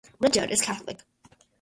Richard is Catholic.